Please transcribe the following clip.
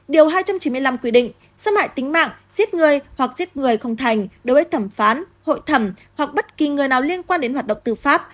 điều hai trăm chín mươi năm quy định xâm hại tính mạng giết người hoặc giết người không thành đối với thẩm phán hội thẩm hoặc bất kỳ người nào liên quan đến hoạt động tư pháp